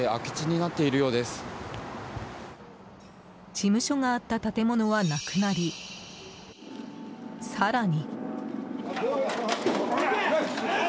事務所があった建物はなくなり更に。